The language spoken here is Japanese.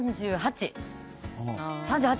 ３８。